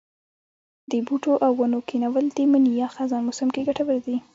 د بوټو او ونو کښېنول د مني یا خزان موسم کې کټور دي.